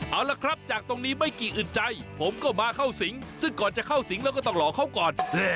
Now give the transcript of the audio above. เอาละครับจากตรงนี้ไม่กี่อึดใจผมก็มาเข้าสิงซึ่งก่อนจะเข้าสิงแล้วก็ต้องหลอกเขาก่อน